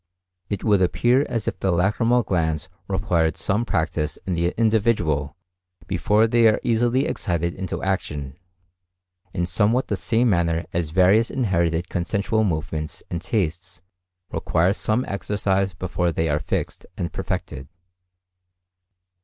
It would appear as if the lacrymal glands required some practice in the individual before they are easily excited into action, in somewhat the same manner as various inherited consensual movements and tastes require some exercise before they are fixed and perfected.